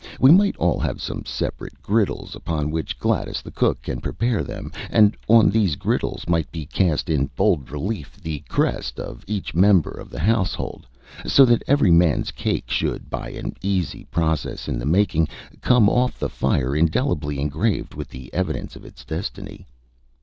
We might all have separate griddles, upon which Gladys, the cook, can prepare them, and on these griddles might be cast in bold relief the crest of each member of this household, so that every man's cake should, by an easy process in the making, come off the fire indelibly engraved with the evidence of its destiny.